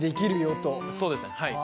そうですねはい。